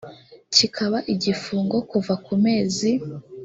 kikaba igifungo kuva ku mezi